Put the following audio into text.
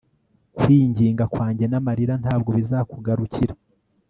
kwinginga kwanjye n'amarira ntabwo bizakugarukira